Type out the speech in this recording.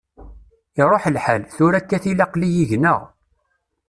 Iruḥ lḥal, tura akka tili aql-iyi gneɣ.